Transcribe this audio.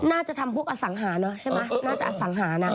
น่าจะทำพวกอัสสังหาชั่วครับ